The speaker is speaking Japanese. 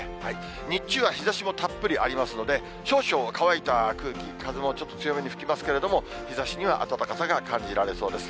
日中は日ざしもたっぷりありますので、少々乾いた空気、風もちょっと強めに吹きますけれども、日ざしには暖かさが感じられそうです。